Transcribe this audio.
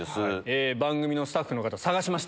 番組のスタッフの方、探しました。